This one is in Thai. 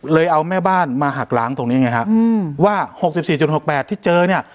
เลยเอาแม่บ้านมาหักล้างตรงนี้ไงฮะอืมว่าหกสิบสี่จุดหกแปดที่เจอเนี้ย